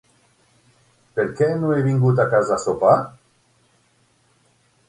Per què no he vingut a casa a sopar?